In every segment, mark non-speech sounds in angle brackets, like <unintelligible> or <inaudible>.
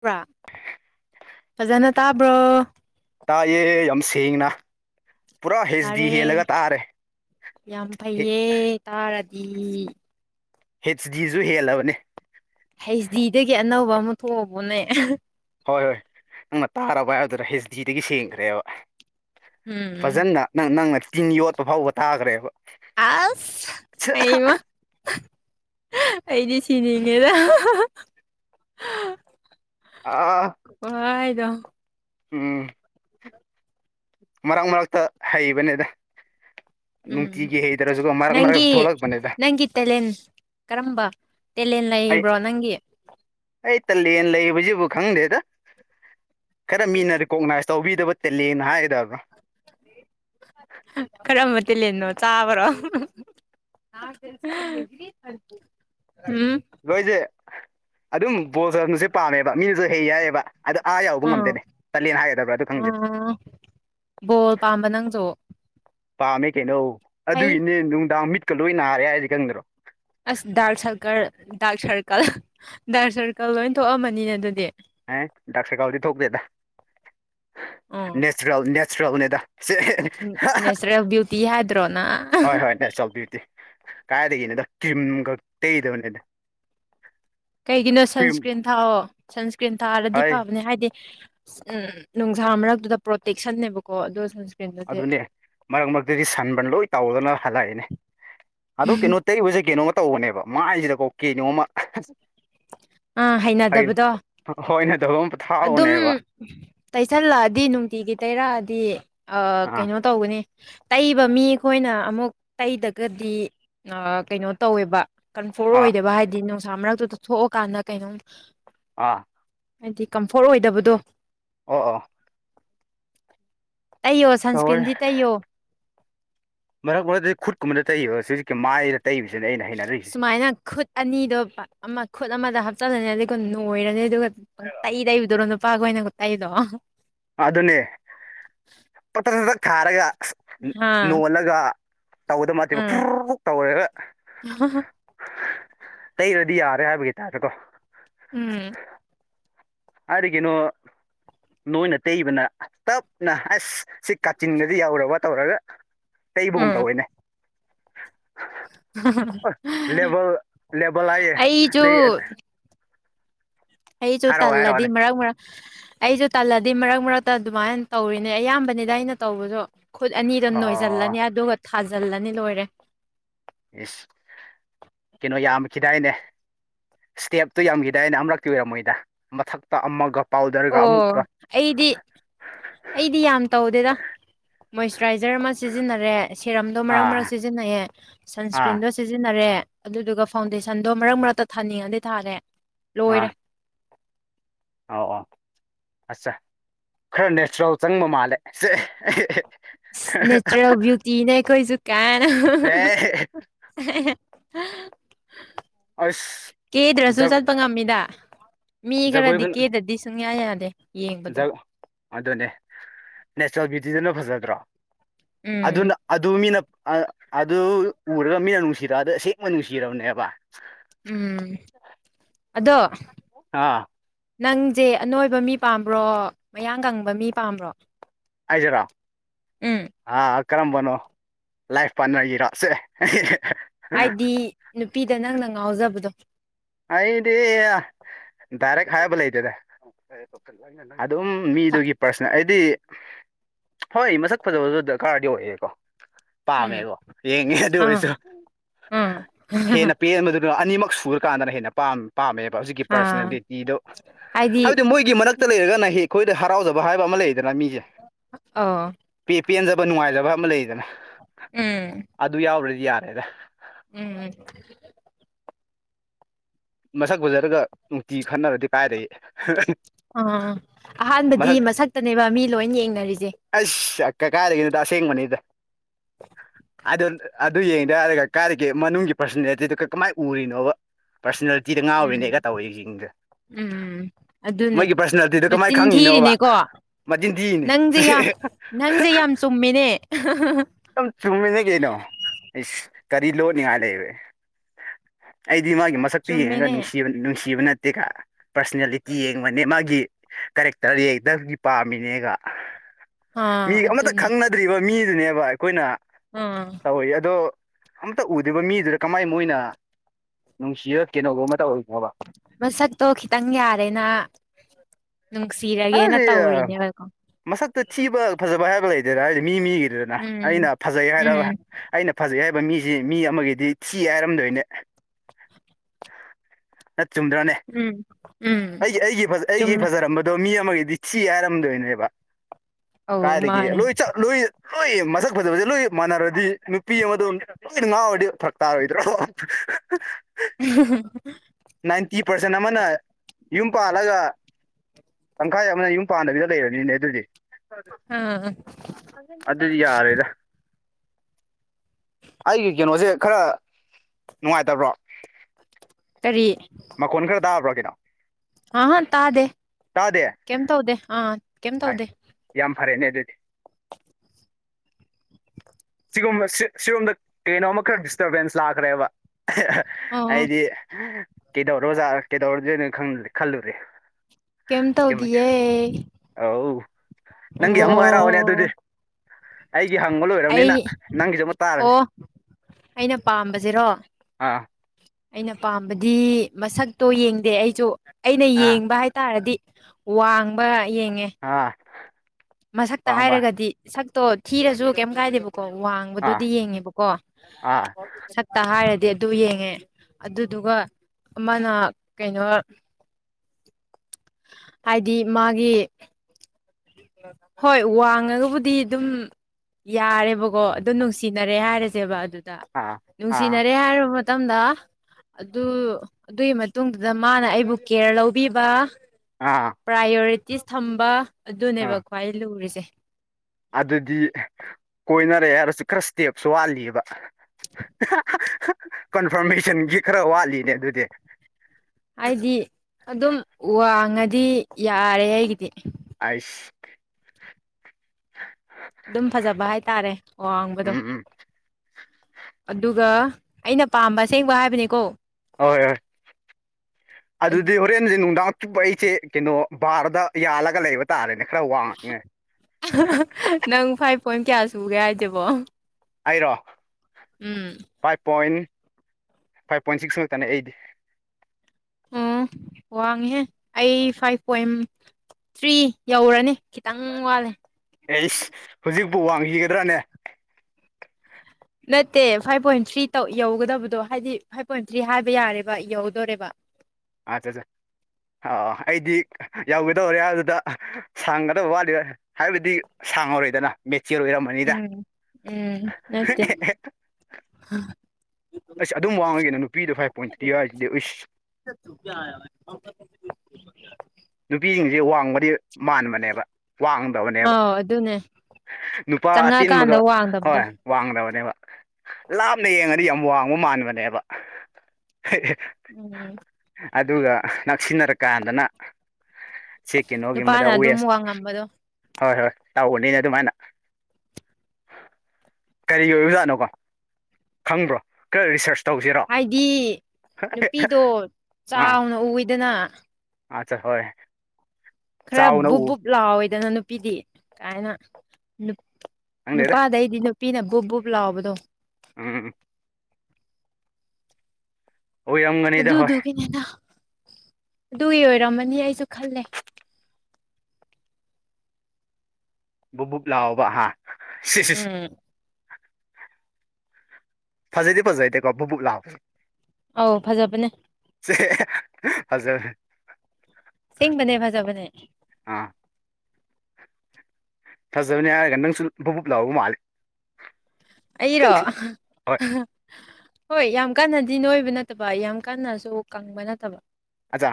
ꯕ꯭ꯔꯥ ꯐꯖꯅ ꯇꯥꯕ꯭ꯔꯣ ꯇꯥꯢꯑꯦ ꯌꯥꯝ ꯁꯦꯡꯅ ꯄꯨꯔꯥ ꯍꯩꯆ ꯗꯤ ꯐꯔꯦ ꯍꯦꯜꯂꯒ ꯇꯥꯔꯦ ꯌꯥꯝ ꯐꯩꯌꯦ ꯇꯥꯔꯗꯤ ꯍ꯭ꯦꯗꯁ ꯗꯤꯖꯨ ꯍꯦꯜꯂꯕꯅꯦ ꯍꯩꯁ ꯗꯤꯗꯒꯤ ꯑꯅꯧꯕ ꯑꯃ ꯊꯣꯛꯑꯕꯣꯅꯦ ꯍꯣꯏ ꯍꯣꯏ ꯅꯪꯅ ꯇꯥꯔꯕ ꯍꯥꯏꯕꯗꯨꯅ ꯍꯦꯁ ꯗꯤꯗꯒꯤ ꯁꯦꯡꯈ꯭ꯔꯦꯕ ꯎꯝ ꯐꯖꯅ ꯅꯪ ꯅꯪꯅ ꯇꯤꯟ ꯌꯣꯠꯄ ꯐꯥꯎꯕ ꯇꯥꯈ꯭ꯔꯦꯕ ꯑꯁ ꯍꯩꯃ ꯑꯩꯗꯤ ꯁꯤꯅꯤꯡꯉꯦꯗ ꯑꯥ ꯗꯣ ꯎꯝ ꯃꯔꯛ ꯃꯔꯛꯇ ꯍꯩꯕꯅꯦꯗ ꯎꯝ ꯅꯨꯡꯇꯤꯒꯤ ꯍꯩꯇ꯭ꯔꯁꯨꯀꯣ ꯃꯔꯛ ꯃꯔꯛꯇ ꯅꯪꯒꯤ ꯊꯣꯛꯂꯛꯄꯅꯦꯗ ꯅꯪꯒꯤ ꯇꯦꯂꯦꯟ ꯀꯔꯝꯕ ꯇꯦꯂꯦꯟ ꯂꯩꯕ꯭ꯔꯣ ꯅꯪꯒꯤ ꯑꯩ ꯇꯜ ꯂꯦꯟ ꯂꯩꯕꯁꯤꯕꯨ ꯈꯪꯗꯦꯗ ꯈꯔ ꯃꯤꯅ ꯔꯤꯀꯣꯛꯅꯥꯏꯁ ꯇꯧꯕꯤꯗꯕ ꯇꯦꯂꯦꯟ ꯍꯥꯏ ꯗꯕ ꯇꯦꯜꯂꯦꯟꯅꯣ ꯆꯥꯕꯔꯣ ꯎꯝ ꯅꯣꯏꯁꯦ ꯑꯗꯨꯝ ꯕꯣꯜꯁꯅꯁꯦ ꯄꯥꯝꯃꯦꯕ ꯃꯤꯅꯁꯨ ꯍꯩ ꯌꯥꯏꯑꯕ ꯑꯗ ꯑꯥ ꯌꯥꯎꯕ ꯉꯝꯗꯦꯅꯦ ꯇꯜꯂꯦ ꯍꯥꯏꯒꯗꯕ꯭ꯔꯥ ꯑꯗꯨ ꯈꯪꯗꯦ ꯀꯣꯜ ꯄꯥꯝꯕ ꯅꯪꯖꯨ ꯄꯥꯝꯃꯦ ꯀꯩꯅꯣ ꯑꯗꯨꯒꯤꯅꯦ ꯅꯨꯡꯗꯥꯡ ꯃꯤꯠꯀ ꯂꯣꯏ ꯅꯥꯔꯦ ꯍꯥꯏꯁꯦ ꯈꯪꯗ꯭ꯔꯣ ꯑꯁ dark circle dark circle dark circle ꯂꯣꯏ ꯊꯣꯛꯑꯝꯃꯅꯤꯅꯦ ꯑꯗꯨꯗꯤ ꯑꯦ ꯗꯥꯛ ꯁꯔꯀꯜꯗꯤ ꯊꯣꯛꯇꯦꯗ ꯑꯣ ꯅꯦꯆꯔꯦꯜ ꯅꯦꯆꯔꯦꯜꯅꯦꯗ ꯢꯁ ꯅꯦꯆꯔꯦꯜ ꯕ꯭ꯌꯨꯇꯤ ꯍꯥꯏꯗ꯭ꯔꯣꯅ ꯍꯣꯏ ꯍꯣꯏ ꯅꯦꯆꯔꯦꯜ ꯕ꯭ꯌꯨꯇꯤ ꯀꯥꯏꯗꯒꯤꯅꯣꯗ ꯀꯤꯝꯒ ꯇꯩꯗꯕꯅꯦꯗ ꯀꯩꯒꯤꯅꯣ ꯀ꯭ꯔꯤꯝ ꯁꯟꯁꯀ꯭ꯔꯤꯟ ꯊꯥꯛꯑꯣ ꯁꯟꯁꯀ꯭ꯔꯤꯟ ꯊꯥꯔꯗꯤ ꯍꯣꯏ ꯐꯕꯅꯦ ꯍꯥꯏꯗꯤ ꯎꯝ ꯅꯨꯡꯁꯥ ꯃꯔꯛꯇꯨꯗ ꯄ꯭ꯔꯣꯇꯦꯛꯁꯟꯅꯦꯕꯀꯣ ꯑꯗꯣ ꯁꯟꯁꯀ꯭ꯔꯤꯟ ꯑꯗꯨꯅꯦ ꯃꯔꯛ ꯃꯔꯛꯇꯗꯤ ꯁꯟꯕꯔꯟ ꯂꯣꯏ ꯇꯥꯎꯗꯅ ꯍꯜꯂꯛꯏꯅꯦ ꯑꯗꯨ ꯀꯩꯅꯣ ꯇꯩꯕꯁꯦ ꯀꯩꯅꯣꯃ ꯇꯧꯕꯅꯦꯕ ꯃꯥꯏꯁꯤꯗꯀꯣ ꯀꯩꯅꯣꯝꯃ ꯑꯥ ꯍꯥꯏ ꯍꯩꯅꯗꯕꯗꯣ ꯍꯣꯏꯅꯗꯕ ꯑꯃ ꯑꯗꯨꯝ ꯊꯥꯎꯕꯅꯦꯕ ꯇꯩꯁꯜꯂꯛꯑꯗꯤ ꯅꯨꯡꯇꯤꯒꯤ ꯇꯩꯔꯛꯑꯗꯤ ꯑ ꯑꯥ ꯀꯩꯅꯣ ꯇꯧꯒꯅꯤ ꯇꯩꯕ ꯃꯤ ꯈꯣꯏꯅ ꯑꯃꯨꯛ ꯇꯩꯗꯒꯗꯤ ꯑꯥ ꯀꯩꯅꯣ ꯇꯧꯋꯦꯕ ꯀꯟꯐꯣꯔ ꯑꯥ ꯑꯣꯏꯗꯕ ꯍꯥꯏꯗꯤ ꯅꯨꯡꯁꯥ ꯃꯔꯛꯇꯨꯗ ꯊꯣꯛꯑꯀꯥꯟꯗ ꯀꯩꯅꯣꯝ ꯑꯥ ꯍꯥꯏꯗꯤ ꯀꯝꯐꯣꯔꯠ ꯑꯣꯏꯗꯕꯗꯣ ꯑꯣ ꯑꯣ ꯇꯩꯌꯣ ꯇꯧꯔꯦ ꯁꯟꯁꯀ꯭ꯔꯤꯟꯗꯤ ꯇꯩꯌꯣ ꯃꯔꯛ ꯃꯔꯛꯇ ꯈꯨꯠꯀꯨꯝꯕꯗ ꯇꯩꯌꯦꯕꯥ ꯁꯤꯖꯤꯛꯀꯤ ꯃꯥꯏ ꯁꯨꯃꯥꯏꯅ ꯈꯨꯠ ꯑꯅꯤꯗꯣ ꯑꯃ ꯈꯨꯠ ꯑꯃꯗ ꯍꯥꯞꯆꯜꯂꯅꯤ ꯑꯗꯨꯒ ꯅꯣꯏꯔꯅꯤ ꯑꯗꯨꯒ ꯄꯪꯇꯩ ꯇꯩꯕꯗꯨꯔꯣ ꯅꯨꯄꯥꯒꯣꯏꯅꯒ ꯇꯩꯕꯗꯣ ꯀꯥꯔꯒ ꯑꯥ ꯅꯣꯜꯂꯒ ꯇꯧꯒꯗꯕ ꯅꯠꯇꯦꯕ ꯎꯝ ꯐꯨꯔꯔꯨꯔꯨ ꯇꯧꯔꯦꯒꯥ ꯇꯩꯔꯗꯤ ꯌꯥꯔꯦ ꯍꯥꯏꯕꯒꯤ ꯇꯥꯏꯞꯇꯀꯣ ꯎꯝ <unintelligible> ꯅꯣꯏꯅ ꯇꯩꯕꯅ ꯇꯞꯅ ꯑꯁ ꯁꯤ ꯀꯥꯆꯤꯟꯒꯁꯦ ꯌꯧꯔꯕ ꯇꯧꯔꯒ ꯇꯩꯕꯒꯨꯝ ꯇꯧꯋꯤꯅꯦ ꯂꯦꯕꯦꯜ ꯂꯦꯕꯦꯜ ꯍꯥꯏꯌꯦ ꯑꯩꯗꯨ ꯂꯩ ꯑꯩꯁꯨ ꯍꯥꯏꯔꯛꯑꯣ ꯇꯜꯂꯗꯤ ꯍꯥꯏꯔꯛꯑꯣꯅꯦ ꯃꯔꯛ ꯃꯔꯛ ꯑꯩꯁꯨ ꯇꯜꯂꯗꯤ ꯃꯔꯛ ꯃꯔꯛꯇ ꯑꯗꯨꯃꯥꯏꯅ ꯇꯧꯔꯤꯅꯦ ꯑꯌꯥꯝꯕꯅꯤꯗ ꯑꯩꯅ ꯇꯧꯕꯁꯨ ꯈꯨꯠ ꯑꯅꯤꯗ ꯑꯣ ꯅꯣꯏꯖꯥꯟꯂꯅꯤ ꯑꯗꯨꯒ ꯊꯥꯖꯜꯂꯅꯤ ꯂꯣꯏꯔꯦ ꯏꯁꯁ ꯀꯩꯅꯣ ꯌꯥꯝꯈꯤꯗꯥꯏꯅꯦ ꯏꯁꯇꯦꯞꯇꯣ ꯌꯥꯝꯈꯤꯗꯥꯏꯅꯦ ꯑꯃꯔꯛꯇꯤ ꯑꯣꯏꯔꯝꯃꯣꯏꯗ ꯃꯊꯛꯇ ꯑꯃꯒ ꯄꯥꯎꯗꯔꯒ ꯑꯣ ꯑꯃꯨꯛꯀ ꯑꯩꯗꯤ ꯑꯩꯗꯤ ꯌꯥꯝ ꯇꯧꯗꯦꯗ ꯃꯣꯏꯆꯔꯥꯏꯖꯔ ꯑꯃ ꯁꯤꯖꯤꯟꯅꯔꯦ ꯁꯦꯔꯝꯗꯣ ꯃꯔꯛ ꯑꯥ ꯃꯔꯛ ꯁꯤꯖꯤꯟꯅꯩꯌꯦ ꯑꯥ ꯁꯟꯁꯀ꯭ꯔꯤꯟꯗꯣ ꯁꯤꯖꯤꯟꯅꯔꯦ ꯑꯗꯨꯗꯨꯒ ꯐꯥꯎꯟꯗꯦꯁꯟꯗꯣ ꯃꯔꯛ ꯃꯔꯛꯇ ꯊꯥꯅꯤꯡꯉꯗꯤ ꯊꯥꯒꯦ ꯂꯣꯏꯔꯦ ꯑꯩ ꯑꯥ ꯑꯠꯆꯥ ꯈꯔ ꯅꯦꯆꯔꯦꯜ ꯆꯪꯕ ꯃꯥꯜꯂꯦ ꯅꯦꯆꯔꯦꯜ ꯕ꯭ꯌꯨꯇꯤꯅꯦ ꯑꯈꯣꯏꯁꯨ ꯀꯥꯏꯅ ꯑꯦ ꯑꯁ ꯀꯦꯗ꯭ꯔꯁꯨ ꯖ ꯆꯠꯄ ꯉꯝꯃꯤꯗ ꯃꯤ ꯈꯔꯥꯗꯤ ꯀꯦꯗꯗꯤ ꯁꯨꯡꯌꯥ ꯌꯗꯦ ꯖꯑꯣ ꯑꯗꯨꯅꯦ ꯅꯦꯆꯔꯦꯜ ꯕ꯭ꯌꯨꯇꯤꯗꯨꯅ ꯐꯖꯗ꯭ꯔꯣ ꯎꯝ ꯑꯗꯨꯅ ꯑꯗꯨ ꯃꯤꯅ ꯑ ꯑꯗꯨ ꯎꯔꯒ ꯃꯤꯅ ꯅꯨꯡꯁꯤꯔ ꯑꯗꯨ ꯑꯁꯦꯡꯕ ꯅꯨꯡꯁꯤꯔꯕꯅꯦꯕ ꯎꯝ ꯑꯗꯣ ꯑꯥ ꯅꯪꯁꯦ ꯑꯅꯣꯏꯕ ꯃꯤ ꯄꯥꯝꯕ꯭ꯔꯣ ꯃꯌꯥꯡ ꯀꯪꯕ ꯃꯤ ꯄꯥꯝꯕ꯭ꯔꯣ ꯑꯩꯖꯤꯔꯣ ꯎꯝ ꯑꯥ ꯀꯔꯝꯕꯅꯣ ꯂꯥꯏꯐ ꯄꯥꯠꯅꯔꯒꯤꯔꯣ ꯁꯦ ꯍꯥꯏꯗꯤ ꯅꯨꯄꯤꯗ ꯅꯪꯅ ꯉꯥꯎꯖꯕꯗꯣ ꯑꯩꯗꯤ ꯗꯥꯏꯔꯦꯛ ꯍꯥꯏꯕ ꯂꯩꯇꯦꯗ ꯑꯗꯨꯝ ꯊ- ꯃꯤꯗꯨꯒꯤ ꯄꯔꯁꯅꯦꯜ ꯑꯩꯗꯤ ꯍꯣꯏ ꯃꯁꯛ ꯐꯖꯕꯁꯨ ꯗꯔꯀꯥꯔꯗꯤ ꯑꯣꯏꯌꯦꯀꯣ ꯎꯝ ꯄꯥꯝꯃꯦꯕꯣ ꯌꯦꯡꯉꯦ ꯑꯗꯨ ꯑꯥ ꯑꯣꯏꯔꯁꯨ ꯎꯝ ꯍꯦꯟꯅ ꯄꯦꯟꯕꯥꯗꯨꯅ ꯑꯅꯤꯃꯛ ꯀꯥꯟꯗꯅ ꯍꯦꯟꯅ ꯄꯥꯝ ꯄꯥꯝꯃꯦꯕ ꯍꯧꯖꯤꯛꯀꯤ ꯑꯥ ꯄꯥꯔꯁꯅꯦꯂꯤꯇꯤꯗꯨ ꯍꯥꯏꯗꯤ ꯍꯥꯏꯕꯗꯤ ꯃꯣꯏꯒꯤ ꯃꯔꯛꯇ ꯑꯗꯨꯝ ꯂꯩꯔꯒ ꯅꯍꯦꯛ ꯑꯈꯣꯏꯗ ꯍꯔꯥꯎꯖꯕ ꯍꯥꯏꯕ ꯑꯃ ꯂꯩꯗꯅ ꯃꯤꯁꯦ ꯑ ꯄꯤꯠ ꯄꯦꯟꯖꯕ ꯅꯨꯡꯉꯥꯏꯖꯕ ꯑꯃ ꯂꯩꯌꯦꯗꯅ ꯎꯝ ꯑꯗꯨ ꯌꯥꯎꯔ꯭ꯗꯤ ꯌꯥꯔꯦꯗ ꯎꯝ ꯃꯁꯛ ꯐꯖꯔꯒ ꯅꯨꯡꯇꯤ ꯈꯟꯅꯔꯗꯤ ꯀꯥꯏꯗꯩ ꯑꯥ ꯑꯍꯥꯟꯕꯗꯤ ꯃꯁꯛꯇꯅꯦꯕ ꯃꯤ ꯂꯣꯏ ꯌꯦꯡꯅꯔꯤꯁꯦ ꯑꯩꯁ ꯀꯥꯏꯗꯒꯤꯅꯣꯗ <inaudible> ꯑꯗꯨꯜ ꯑꯗꯨ ꯌꯦꯡꯗꯦ ꯍꯥꯏꯔꯒ ꯀꯥꯢꯗꯒꯤ ꯃꯅꯨꯡꯒꯤ ꯄꯔꯁꯣꯅꯦꯂꯤꯇꯤꯗꯨ ꯀꯃꯥꯏꯅ ꯎꯔꯤꯅꯣꯕ ꯄꯔꯁꯅꯦꯟ ꯇꯤꯗ ꯎꯝ ꯉꯥꯎꯔꯤꯅꯦꯒ ꯇꯧꯋꯤꯁꯤꯡꯁꯦ ꯎꯝ ꯑꯗꯨꯅꯦ ꯀꯃꯥꯏ ꯃꯆꯤꯟ ꯈꯪꯉꯤꯅꯣꯕ ꯊꯤꯔꯤꯅꯦꯀꯣ ꯃꯆꯤꯟ ꯊꯤꯔꯤꯅꯤ ꯅꯪꯗꯤ ꯌꯥꯝ ꯅꯪꯗꯤ ꯌꯥꯝ ꯆꯨꯝꯃꯦꯅꯦ ꯌꯥꯝ ꯆꯨꯝꯃꯤꯅꯦ ꯀꯩꯅꯣ ꯏꯁ ꯀꯔꯤ ꯂꯣꯠꯅꯤꯡꯉꯥꯏ ꯂꯩꯕꯦ ꯑꯩꯗꯤ ꯃꯥꯒꯤ ꯃꯁꯛꯇ ꯌꯦꯡꯉꯒ ꯆꯨꯝꯃꯦꯅꯦ ꯅꯨꯡꯁꯤꯕ ꯅꯨꯡꯁꯤꯕ ꯅꯠ ꯅꯠꯇꯦꯒ ꯄꯥꯔꯁꯅꯦꯂꯤꯇꯤ ꯌꯦꯡꯕꯅꯦ ꯃꯥꯒꯤ ꯀꯦꯔꯦꯛꯇꯔ ꯌꯦꯡꯗꯕꯒꯤ ꯄꯥꯝꯃꯤꯅꯦꯒ ꯃꯤ ꯑꯥ ꯑꯃꯇ ꯑꯗꯨꯅꯦ ꯈꯪꯅꯗ꯭ꯔꯤꯕ ꯃꯤꯗꯨꯅꯦꯕ ꯑꯩꯈꯣꯏꯅ ꯑꯥ ꯇꯧꯋꯤ ꯑꯗꯣ ꯑꯝꯇ ꯎꯗ꯭ꯔꯤꯕ ꯃꯤꯗꯨꯗ ꯀꯃꯥꯏ ꯃꯣꯏꯅ ꯅꯨꯡꯁꯤꯔ ꯀꯩꯅꯣ ꯒꯨꯝꯕ ꯇꯧꯋꯤ ꯃꯁꯛꯇꯣ ꯈꯤꯇꯪ ꯌꯥꯔꯦꯅꯥ ꯑꯥꯔꯦ ꯌꯥ ꯃꯁꯛꯇ ꯊꯤꯕ ꯐꯖꯕ ꯍꯥꯏꯕ ꯂꯩꯇꯦꯗ ꯍꯥꯏꯗꯤ ꯃꯤ ꯃꯤꯒꯤꯗꯅ ꯎꯝ ꯑꯩꯅ ꯐꯖꯩ ꯍꯥꯏꯔ ꯎꯝ ꯑꯩꯅ ꯐꯖꯩ ꯍꯥꯏ ꯕ ꯃꯤꯁꯤ ꯃꯤ ꯑꯃꯒꯤꯗꯤ ꯊꯤ ꯍꯥꯏꯔꯝꯗꯣꯏꯅꯦ ꯅꯠ ꯆꯨꯝꯗ꯭ꯔꯅꯦ ꯎꯝ ꯎꯝ ꯑꯩꯒꯤ ꯑꯩꯒꯤ ꯑꯩꯒꯤ ꯆꯨꯝꯃꯦ ꯐꯖꯔꯝꯕꯗꯣ ꯃꯤ ꯑꯃ ꯑꯃꯒꯤꯗꯤ ꯊꯤ ꯍꯥꯏꯔꯝꯗꯣꯏꯅꯦꯕ ꯑꯧ ꯀꯥꯏꯗꯒꯤ ꯃꯥꯅꯦ ꯂꯣꯏ ꯆ ꯂꯣꯏ ꯍꯣꯏ ꯃꯁꯛ ꯐꯖꯕꯁꯦ ꯂꯣꯏ ꯃꯥꯟꯅꯔꯗꯤ ꯅꯨꯄꯤ ꯑꯃꯗꯣ ꯂꯣꯏꯅ ꯉꯥꯎꯔꯗꯤ ꯐꯔꯛ ꯇꯥꯔꯣꯏꯗ꯭ꯔꯣ ꯍꯍ ꯅꯥꯏꯟꯇꯤ ꯄꯔꯁꯦꯟ ꯑꯃꯅ ꯌꯨꯝ ꯄꯥꯜꯂꯒ ꯇꯪꯈꯥꯏ ꯑꯃꯅ ꯌꯨꯝ ꯄꯥꯟꯗꯕꯤꯗ ꯂꯩꯔꯅꯤꯅꯦ ꯑꯗꯨꯢꯗꯤ ꯑꯥ ꯑꯗꯨꯗꯤ ꯌꯥꯔꯦꯗ <inaudible> ꯑꯩꯒꯤ ꯀꯩꯅꯣꯁꯦ ꯈꯔ ꯅꯨꯡꯉꯥꯏꯇꯕ꯭ꯔꯣ ꯀꯔꯤ ꯃꯈꯣꯟ ꯈꯔ ꯇꯥꯕ꯭ꯔꯥ ꯀꯩꯅꯣ ꯑꯥꯍ ꯇꯥꯗꯦ ꯇꯥꯗꯦ ꯀꯩꯝ ꯇꯧꯗꯦ ꯑꯥ ꯀꯩꯝ ꯑꯥꯏ ꯇꯧꯗꯦ ꯌꯥꯝ ꯐꯔꯦꯅꯦ ꯑꯗꯨꯗꯤ ꯁꯤꯒꯨꯝꯕ ꯁꯤ ꯁꯤꯔꯣꯝꯗ ꯀꯩꯅꯣꯃ ꯈꯔ ꯗꯤꯁꯇꯔꯕꯦꯟꯁ ꯂꯥꯛꯈ꯭ꯔꯦꯕ ꯑꯍꯍ ꯑꯣ ꯑꯩꯗꯤ ꯀꯩꯗꯧꯔꯣꯖꯥ ꯀꯩꯗꯧꯔꯗꯣꯏ ꯈꯟ ꯈꯜꯂꯨꯔꯦ ꯀꯩꯝ ꯀꯦꯃ ꯇꯧꯗꯤꯌꯦ ꯑꯧ ꯅꯪꯒꯤ ꯑꯃꯨꯛ ꯍꯥꯏꯔꯛꯑꯣꯅꯦ ꯑꯗꯨꯗꯤ ꯑꯣ ꯑꯩꯒꯤ ꯍꯪꯕ ꯂꯣꯏꯔꯕꯅꯤꯅ ꯑꯩ ꯅꯪꯒꯤꯁꯨ ꯑꯃ ꯇꯥꯔꯦ ꯑꯣ ꯑꯩꯅ ꯄꯥꯝꯕꯁꯤꯔꯣ ꯑꯥ ꯑꯩꯅ ꯄꯥꯝꯕꯗꯤ ꯃꯁꯛꯇꯣ ꯌꯦꯡꯗꯦ ꯑꯩꯁꯨ ꯑꯩꯅ ꯑꯥ ꯌꯦꯡꯕ ꯍꯥꯏꯇꯥꯔꯗꯤ ꯋꯥꯡꯕ ꯌꯦꯡꯉꯦ ꯑꯥ ꯃꯁꯛꯇ ꯋꯥꯡꯕ ꯍꯥꯏꯔꯒꯗꯤ ꯁꯛꯇꯣ ꯊꯤꯔꯁꯨ ꯀꯩꯝ ꯀꯥꯏꯗꯦꯕ ꯀꯣ ꯑꯥ ꯋꯥꯡꯕꯗꯨꯗꯤ ꯌꯦꯡꯉꯦꯕꯀꯣ ꯑꯥ ꯁꯛꯇ ꯍꯥꯏꯔ ꯗꯤ ꯑꯗꯨ ꯌꯦꯡꯉꯦ ꯑꯗꯨꯗꯨꯒ ꯑꯃꯅ ꯀꯩꯅꯣ ꯍꯥꯏꯗꯤ ꯃꯥꯒꯤ ꯍꯣꯏ ꯋꯥꯡꯉꯒꯕꯨꯗꯤ ꯑꯗꯨꯝ ꯌꯥꯔꯦꯕꯀꯣ ꯑꯗꯨ ꯅꯨꯡꯁꯤꯅꯔꯦ ꯍꯥꯏꯔꯁꯦꯕ ꯑꯗꯨꯗ ꯑꯥ ꯑꯥ ꯅꯨꯡꯁꯤꯅꯔꯦ ꯍꯥꯏꯔꯕ ꯃ ꯃꯇꯝꯗ ꯑꯗꯨ ꯑꯗꯨꯒꯤ ꯃꯇꯨꯡꯗꯨꯗ ꯃꯥꯅ ꯑꯩꯕꯨ ꯀꯦꯌꯔ ꯂꯧꯕꯤꯕ ꯑꯥ ꯄ꯭ꯔꯥꯏꯌꯣꯔꯤꯇꯤꯁ ꯊꯝꯕ ꯑꯥ ꯑꯗꯨꯅꯦꯕ ꯈ꯭ꯋꯥꯏ ꯂꯨꯔꯤꯁꯦ ꯑꯗꯨꯗꯤ ꯀꯣꯏꯅꯔꯦ ꯍꯥꯏꯔꯁꯨ ꯈꯔ ꯁ꯭ꯇꯦꯞꯁꯨ ꯋꯥꯠꯂꯤꯑꯕ ꯑꯍꯥꯍ ꯍꯥ ꯀꯟꯐꯔꯃꯦꯁꯟꯒꯤ ꯈꯔ ꯋꯥꯠꯂꯤꯅꯦ ꯑꯗꯨꯗꯤ ꯍꯥꯏꯗꯤ ꯑꯗꯨꯝ ꯋꯥꯡꯉꯗꯤ ꯌꯥꯔꯦ ꯑꯩꯒꯤꯗꯤ ꯑꯥꯁ ꯍ ꯑꯗꯨꯝ ꯐꯖꯕ ꯍꯥꯏꯇꯥꯔꯦ ꯋꯥꯡꯕꯗꯣ ꯎꯝ ꯎꯝ ꯑꯗꯨꯒ ꯑꯩꯅ ꯄꯥꯝꯕ ꯑꯁꯦꯡꯕ ꯍꯥꯏꯕꯅꯤꯀꯣ ꯍꯣꯏ ꯍꯣꯏ ꯑꯗꯨꯗꯤ ꯍꯣꯔꯦꯟꯁꯦ ꯅꯨꯡꯗꯥꯡ ꯕ ꯑꯩꯁꯦ ꯀꯩꯅꯣ ꯕꯥꯔꯗ ꯌꯥꯜꯂꯒ ꯂꯩꯕ ꯇꯥꯔꯦꯅꯦ ꯈꯔ ꯋꯥꯡꯉꯦ ꯑꯍꯍ ꯅꯪ ꯐꯥꯏꯐ ꯄꯣꯏꯟ ꯀꯌꯥ ꯁꯨꯒꯦ ꯍꯥꯏꯁꯤꯕꯣ ꯑꯩꯔꯣ ꯎꯝ five point five point six ꯉꯛꯇꯅꯦ ꯑꯩꯗꯤ ꯑꯝ ꯋꯥꯡꯉꯦꯍꯦ ꯑꯩ ꯐꯥꯏꯚ ꯄꯣꯏꯟ ꯊ꯭ꯔꯤ ꯌꯧꯔꯅꯤ ꯈꯤꯇꯪ ꯋꯥꯂꯦ ꯑꯩꯁ ꯍꯨꯖꯤꯛꯄꯨ ꯋꯥꯡꯈꯤꯒꯗ꯭ꯔꯥꯅꯦ ꯅꯠꯇꯦ ꯐꯥꯏꯚ ꯄꯣꯏꯟ ꯊ꯭ꯔꯤ ꯇꯧ ꯌꯧꯒꯗꯕꯗꯣ ꯍꯥꯏꯗꯤ ꯐꯥꯏꯚ ꯄꯣꯏꯟ ꯊ꯭ꯔꯤ ꯍꯥꯏꯕ ꯌꯥꯔꯦꯕ ꯌꯧꯗꯣꯔꯦꯕ ꯑꯗꯨꯅꯦ ꯑꯧ ꯑꯩꯗꯤ ꯌꯧꯒꯗꯧꯔꯦ ꯍꯥꯢꯗꯨꯗ ꯁꯥꯡꯒꯗꯕ ꯋꯥꯠꯂꯤꯔ ꯍꯥꯏꯕꯗꯤ ꯁꯥꯡꯉꯔꯣꯏꯗꯅ ꯃꯦꯆꯤꯌꯣꯔ ꯑꯣꯏꯔꯝꯃꯅꯤꯗ ꯎꯝ ꯎꯝ ꯅꯠꯇꯦ ꯍꯥ ꯑꯁ ꯑꯗꯨꯝ ꯋꯥꯡꯉꯦ ꯀꯩꯅꯣ ꯅꯨꯄꯤꯗ ꯐꯥꯏꯚ ꯄꯣꯏꯟꯠ ꯇ꯭ꯔꯤ ꯍꯥꯏꯁꯤꯗꯤ ꯎꯏꯁ <unintelligible> ꯅꯨꯄꯤꯁꯤꯡꯁꯦ ꯋꯥꯡꯕꯗꯤ ꯃꯥꯟꯕꯅꯦꯕ ꯋꯥꯡꯗꯕꯅꯦꯕ ꯍꯥ ꯑꯥꯎ ꯑꯗꯨꯅꯦ ꯅꯨꯄꯥ ꯑꯇꯤꯟꯕꯒ ꯆꯪꯉꯛꯀꯥꯟꯗ ꯋꯥꯡꯗꯕꯗꯣ ꯍꯣꯏ ꯋꯥꯡꯗꯕꯅꯦꯕ ꯂꯥꯞꯅ ꯌꯦꯡꯉꯗꯤ ꯌꯥꯝ ꯋꯥꯡꯕ ꯃꯥꯟꯕꯅꯦꯕ ꯑ ꯍꯩꯍꯩ ꯎꯝ ꯑꯗꯨꯒ ꯅꯛꯁꯤꯟꯅꯔ ꯀꯥꯟꯗꯅ ꯁꯤ ꯀꯩꯅꯣ ꯅꯨꯄꯥꯅ ꯒꯨꯝꯕꯗ ꯑꯗꯨꯝ ꯋꯦꯁ ꯋꯥꯡꯉꯝꯕꯗꯣ ꯍꯣꯏ ꯍꯣꯏ ꯇꯧꯕꯅꯤꯅꯦ ꯑꯗꯨꯃꯥꯏꯅ ꯀꯔꯤꯒꯤ ꯑꯣꯏꯕ ꯖꯥꯠꯅꯣꯀꯣ ꯈꯪꯕ꯭ꯔꯣ ꯈꯔ ꯔꯤꯁꯔꯁ ꯇꯧꯁꯤꯔꯣ ꯍꯥꯏꯗꯤ ꯅꯨꯄꯤꯗꯣ ꯆꯥꯎꯅ ꯎꯋꯤꯗꯅ ꯑꯆꯥ ꯍꯣꯏ ꯈꯔ ꯆꯥꯎꯅ ꯕꯨꯞ ꯎ ꯕꯨꯞ ꯂꯥꯎꯋꯦꯗꯅ ꯅꯨꯄꯤꯗꯤ ꯀꯥꯏꯅ ꯅꯨꯞ ꯈꯪꯗꯦꯗ ꯅꯨꯄꯥꯗꯩꯗꯤ ꯅꯨꯄꯤꯅ ꯕꯨꯞ ꯕꯨꯞ ꯂꯥꯎꯕꯗꯣ ꯎꯝ ꯑꯣꯏꯔꯝꯒꯅꯤꯗ ꯍꯣꯏ ꯑꯗꯨꯗꯨꯒꯤꯅꯦꯅ ꯑꯗꯨꯒꯤ ꯑꯣꯏꯔꯝꯃꯅꯤ ꯑꯩꯁꯨ ꯈꯜꯂꯦ ꯕꯨꯞ ꯕꯨꯞ ꯂꯥꯎꯕ ꯍꯥ ꯁꯤ ꯁꯤꯁ ꯎꯝ ꯐꯖꯩꯗꯤ ꯐꯖꯩꯗꯀꯣ ꯕꯨꯞ ꯕꯨꯞ ꯂꯥꯎꯕꯁꯦ ꯑꯧ ꯐꯖꯕꯅꯦ ꯍꯥ ꯐꯖꯩ ꯑꯁꯦꯡꯕꯅꯦ ꯐꯖꯥꯕꯅꯦ ꯑꯥ ꯐꯖꯕꯅꯦ ꯍꯥꯏꯔꯒ ꯅꯪꯁꯨ ꯕꯨꯞ ꯕꯨꯨꯞ ꯂꯥꯎꯕ ꯃꯥꯜꯂꯦ ꯑꯩꯔꯣ ꯑꯍꯥ ꯍꯣꯏ ꯍꯥꯍꯥ ꯍꯣꯏ ꯌꯥꯝ ꯀꯟꯅꯗꯤ ꯅꯣꯏꯕ ꯅꯠꯇꯕ ꯌꯥꯝ ꯀꯟꯅꯁꯨ ꯀꯪꯕ ꯅꯠꯇꯕ ꯑꯠꯆꯥ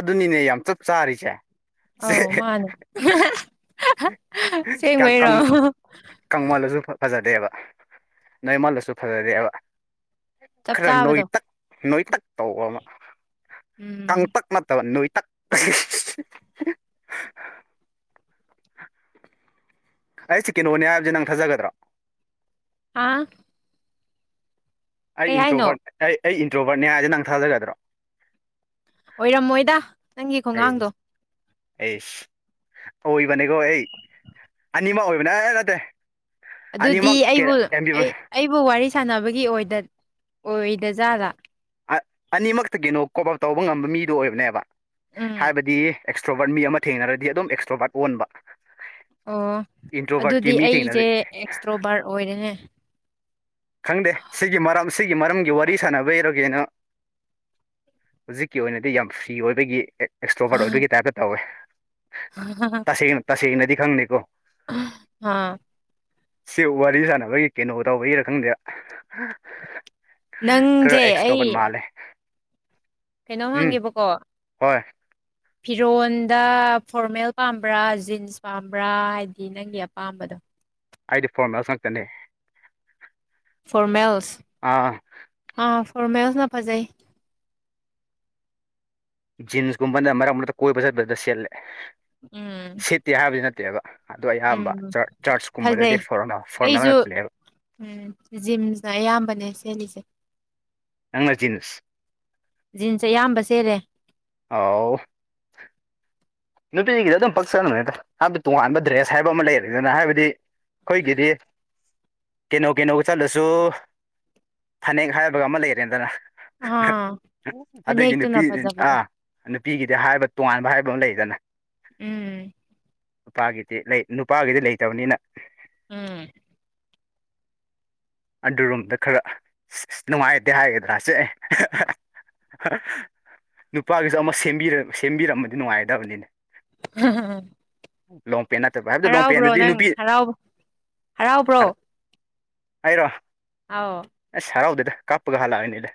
ꯑꯗꯨꯅꯤꯅꯦ ꯌꯥꯝ ꯆꯞ ꯆꯥꯔꯤꯁꯦ ꯁꯦ ꯑꯧ ꯃꯥꯅꯦ ꯑꯝꯍꯥꯍꯥ ꯍꯥꯍꯥꯍꯥ ꯀꯪ ꯁꯦꯡꯕꯩꯔꯣ ꯀꯪ ꯑꯣꯍꯣꯍꯣ ꯀꯪꯃꯜꯂꯁꯨ ꯐꯖꯗꯦꯕ ꯅꯣꯏꯃꯜꯂꯁꯨ ꯐꯖꯗꯦꯕ ꯆꯞ ꯈꯔ ꯆꯥꯕꯗꯣ ꯅꯣꯏꯇꯛ ꯅꯣꯏꯇꯛ ꯇꯧꯕ ꯑꯃ ꯎꯝ ꯀꯪꯇꯛ ꯅꯠꯇꯕ ꯅꯣꯏ ꯇꯛ ꯏꯁ ꯍꯥꯍꯥꯍꯥꯍꯥ ꯑꯩ ꯁꯦ ꯀꯩꯅꯣꯅꯦ ꯍꯥꯏꯕꯖꯦ ꯅꯪ ꯊꯥꯖꯒꯗ꯭ꯔꯣ ꯑꯥ ꯑꯩ ꯀꯩ ꯍꯥꯏꯅꯣ ꯏꯟꯇ꯭ꯔꯣꯚꯔꯠ ꯑꯩ ꯑꯩ ꯏꯟꯇ꯭ꯔꯣꯚꯔꯠꯅꯦ ꯍꯥꯏꯁꯦ ꯅꯪ ꯊꯥꯖꯒꯗ꯭ꯔꯣ ꯑꯣꯏꯔꯝꯃꯣꯏꯗ ꯅꯪꯒꯤ ꯈꯣꯡꯉꯥꯡꯗꯣ ꯑꯦꯁ ꯑꯣꯏꯕꯅꯦꯀꯣ ꯑꯩ ꯑꯅꯤꯃꯛ ꯑꯣꯏꯕꯅꯦ ꯑꯥꯑꯥ ꯅꯠꯇꯦ ꯑꯗꯨꯗꯤ ꯑꯅꯤꯃꯛ ꯑꯩꯕꯨ ꯀꯦ- ꯑꯦꯝꯕꯤ- ꯑꯩ ꯑꯩꯕꯨ ꯋꯥꯔꯤ ꯁꯥꯟꯅꯕꯒꯤ ꯑꯣꯏꯗꯠ ꯑꯣꯏꯗ ꯖꯥꯠꯂ ꯑ ꯑꯅꯤꯃꯛꯇꯒꯤꯅꯣ ꯀꯣꯞ ꯑꯞ ꯇꯧꯕ ꯉꯝꯕ ꯃꯤꯗꯣ ꯑꯣꯏꯕꯅꯦꯕ ꯎꯝ ꯍꯥꯏꯕꯗꯤ ꯑꯦꯛꯁꯇ꯭ꯔꯣꯕꯥꯔꯠ ꯃꯤ ꯑꯃ ꯊꯦꯡꯅꯔꯗꯤ ꯑꯗꯨꯝ ꯑꯦꯛꯁꯇ꯭ꯔꯣꯕꯥꯔꯠ ꯑꯣꯟꯕ ꯑꯣ ꯏꯟꯇ꯭ꯔꯣꯕꯔꯠꯀꯤ ꯑꯗꯨꯗꯤ ꯃꯤ ꯑꯩꯁꯦ ꯊꯦꯡꯅꯔꯤ ꯑꯦꯛꯁꯇ꯭ꯔꯣꯕꯥꯔꯠ ꯑꯣꯏꯔꯦꯅꯦ ꯈꯪꯗꯦ ꯁꯤꯒꯤ ꯃꯔꯝ ꯁꯤꯒꯤ ꯃꯔꯝꯒꯤ ꯋꯥꯔꯤ ꯁꯥꯟꯅꯕꯩꯔ ꯀꯩꯅꯣ ꯍꯧꯖꯤꯛꯀꯤ ꯑꯣꯏꯅꯗꯤ ꯌꯥꯝ ꯐ꯭ꯔꯤ ꯑꯣꯏꯕꯒꯤ ꯑꯦ ꯑꯦꯛꯁꯇ꯭ꯔꯣꯕꯔꯠ ꯑꯣꯏꯕꯒꯤ ꯇꯥꯏꯞꯇ ꯇꯧꯋꯦ ꯇꯁꯦꯡꯅ ꯇꯁꯦꯡꯅꯗꯤ ꯈꯪꯗꯦꯀꯣ ꯍꯥꯥ ꯁꯤ ꯋꯥꯔꯤ ꯁꯥꯟꯅꯕꯒꯤ ꯀꯩꯅꯣ ꯇꯧꯕꯒꯤꯔ ꯈꯪꯗꯦ ꯈꯔ ꯅꯪꯁꯦ ꯑꯦꯛꯁꯇꯧꯕ ꯑꯩ ꯃꯥꯜꯂꯦ ꯀꯩꯅꯣꯝ ꯎꯝ ꯍꯪꯒꯦꯕꯀꯣ ꯍꯣꯏ ꯐꯤꯔꯣꯟꯗ ꯐꯣꯔꯃꯦꯜ ꯄꯥꯝꯕ꯭ꯔꯥ ꯖꯤꯟꯁ ꯄꯥꯝꯕ꯭ꯔꯥ ꯍꯥꯏꯕꯗꯤ ꯅꯪꯒꯤ ꯑꯄꯥꯝꯕꯗꯣ ꯑꯩꯗꯤ ꯐꯣꯔꯃꯦꯜ ꯈꯛꯇꯅꯦ ꯐꯣꯔꯃꯦꯜꯁ ꯑꯥ ꯐꯣꯔꯃꯦꯜꯁꯅ ꯐꯖꯩ ꯖꯤꯟꯁꯀꯨꯝꯕꯅ ꯃꯔꯛ ꯃꯔꯛꯇ ꯀꯣꯏꯕ ꯆꯠꯄꯗꯨꯗ ꯁꯦꯠꯂꯦ ꯎꯝ ꯁꯦꯠꯇꯦ ꯍꯥꯏꯕꯗꯤ ꯅꯠꯇꯦꯕ ꯑꯗꯨ ꯑꯌꯥꯝꯕ ꯎꯝ ꯆꯔꯆꯀꯨꯝꯕꯗꯗꯤ ꯐꯖꯩ ꯐꯣꯔꯜ ꯐꯣꯔꯣꯃꯦꯜ ꯑꯩꯁꯨ ꯉꯛꯄꯅꯦꯕ ꯎꯝ ꯖꯤꯟꯁꯅ ꯑꯌꯥꯝꯕꯅꯦ ꯁꯦꯠꯂꯤꯁꯦ ꯅꯪꯅ ꯆꯤꯟꯁ ꯖꯤꯟꯁ ꯑꯌꯥꯝꯕ ꯁꯦꯠꯂꯦ ꯑꯧ ꯅꯨꯄꯤꯒꯤꯗꯤ ꯑꯗꯨꯝ ꯄꯛꯆꯅꯕꯗ ꯍꯥꯏꯕꯗꯤ ꯇꯣꯉꯥꯟꯕ ꯗ꯭ꯔꯦꯁ ꯍꯥꯏꯕ ꯑꯃ ꯂꯩꯔꯅꯤꯗꯅ ꯍꯥꯏꯕꯗꯤ ꯈꯣꯢꯒꯤꯗꯤ ꯀꯩꯅꯣ ꯀꯩꯅꯣꯒ ꯆꯠꯂꯁꯨ ꯐꯅꯦꯛ ꯍꯥꯏꯕꯒ ꯑꯃ ꯂꯩꯔꯦꯗꯅ ꯑꯥ ꯑꯗꯒꯤ ꯐꯅꯦꯛꯇꯨꯅ ꯅꯨꯄꯤ ꯐꯖꯕꯗꯣ ꯑꯥ ꯅꯨꯄꯤꯒꯤꯗꯤ ꯍꯥꯏꯕ ꯇꯣꯉꯥꯟꯕ ꯍꯥꯏꯕ ꯃ ꯂꯩꯗꯅ ꯎꯝ ꯅꯨꯄꯥꯒꯤꯗꯤ ꯂꯩ ꯅꯨꯄꯥꯒꯤꯗꯤ ꯂꯩꯇꯕꯅꯤꯅ ꯎꯝ ꯑꯗꯨꯔꯨꯝꯗ ꯈꯔ ꯅꯨꯡꯉꯥꯏꯇꯦ ꯍꯥꯏꯒꯗ꯭ꯔꯥ ꯁꯦ ꯅꯨꯄꯥꯒꯤꯁꯨ ꯑꯃ ꯁꯦꯝꯕꯤꯔꯝ ꯁꯦꯝꯕꯤꯔꯝꯃꯗꯤ ꯅꯨꯡꯉꯥꯏꯗꯕꯅꯤꯅꯦ <inaudible> ꯂꯣꯡ ꯄꯦꯟ ꯅꯠꯇꯕ ꯍꯥꯏꯕꯗꯤ ꯂꯣꯡ ꯍꯔꯥꯎꯕ꯭ꯔꯣ ꯄꯦꯟꯗꯨꯗꯤ ꯅꯪ ꯅꯨꯄꯤ ꯍꯔꯥꯎ ꯍꯔꯥꯎꯕ꯭ꯔꯣ ꯔ ꯑꯩꯔꯣ ꯑꯥꯎ ꯑꯁ ꯍꯔꯥꯎꯗꯦꯗ ꯀꯥꯞꯄꯒ ꯍꯜꯂꯛꯑꯅꯤꯗ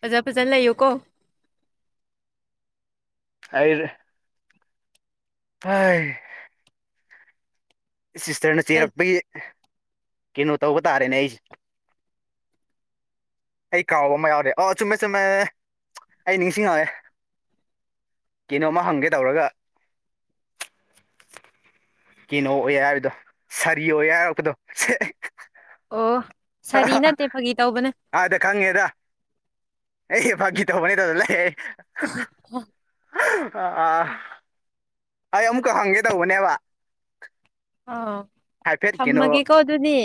ꯐꯖꯥ ꯐꯖꯅ ꯂꯩꯌꯣ ꯀꯣ ꯑꯩꯔꯦ ꯑꯥꯢ ꯁꯤꯁꯇꯔꯅ ꯆꯦꯔꯛꯄꯒꯤ ꯀꯩꯅꯣ ꯇꯧꯕ ꯇꯥꯔꯦꯅꯦ ꯑꯩꯁꯦ ꯑꯩ ꯀꯥꯎꯕ ꯑꯃ ꯌꯥꯎꯔꯦ ꯑꯣ ꯆꯨꯝꯃꯦ ꯆꯨꯝꯃꯦ ꯑꯩ ꯅꯤꯡꯁꯤꯡꯉꯑꯦ ꯀꯩꯅꯣꯃ ꯍꯪꯒꯦ ꯇꯧꯔꯒ ꯀꯩꯅꯣ ꯑꯣꯏ ꯍꯥꯏꯕꯗꯣ ꯁꯥꯔꯤ ꯑꯣꯏꯌꯦ ꯍꯥꯏꯔꯛꯄꯗꯣ ꯑꯣ ꯁꯥꯔꯤ ꯅꯠꯇꯦ ꯐꯥꯒꯤ ꯇꯧꯕꯅꯦ ꯑꯥꯗ ꯈꯪꯉꯦꯗ ꯑꯩꯁꯦ ꯐꯥꯒꯤ ꯇꯧꯕꯅꯦ ꯇꯗꯅ ꯂꯩ ꯑ ꯑꯥ ꯑꯩ ꯑꯃꯨꯛꯀ ꯍꯪꯒꯦ ꯇꯧꯕꯅꯦꯕ ꯑꯥ ꯍꯥꯏꯐꯦꯠ ꯀꯩꯅꯣ ꯊꯝꯃꯒꯦꯀꯣ ꯑꯗꯨꯗꯤ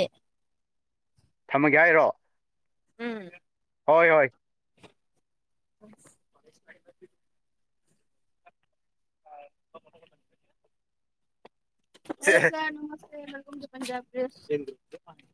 ꯊꯝꯃꯒꯦ ꯍꯥꯏꯔꯣ ꯎꯝ ꯍꯣꯏ ꯍꯣꯏ <inaudible> <inaudible> ꯍꯂꯣ ꯁꯥꯔ ꯅꯃꯁꯇꯦ <unintelligible>